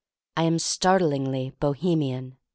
I am start lingly Bohemian.